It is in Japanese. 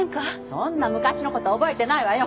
そんな昔のこと覚えてないわよ